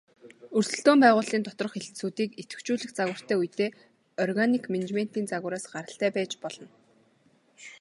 Өрсөлдөөн байгууллын доторх хэлтсүүдийг идэвхжүүлэх загвартай үедээ органик менежментийн загвараас гаралтай байж болно.